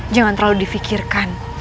jangan terlalu difikirkan